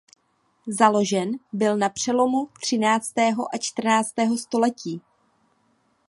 Založen byl na přelomu třináctého a čtrnáctého století.